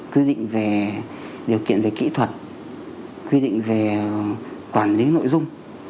quy định về điều kiện về kỹ thuật quy định về quản lý nội dung